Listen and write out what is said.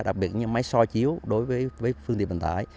đặc biệt như máy soi chiếu đối với phương tiện bản tải